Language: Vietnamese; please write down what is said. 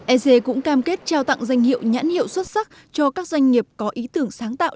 ec cũng cam kết trao tặng danh hiệu nhãn hiệu xuất sắc cho các doanh nghiệp có ý tưởng sáng tạo